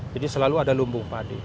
jadi selalu ada lumbung padi